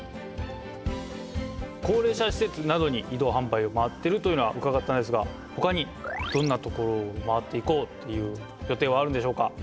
高齢者施設などに移動販売を回ってるというのはうかがったんですがほかにどんなところを回っていこうという予定はあるんでしょうか？